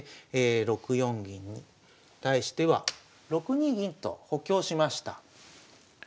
６四銀に対しては６二銀と補強しました。